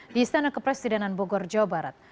di istana kepresidenan bogor jawa barat